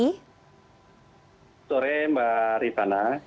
selamat sore mbak rifana